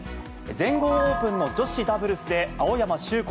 全豪オープンの女子ダブルスで、青山修子